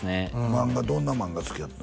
漫画どんな漫画好きやった？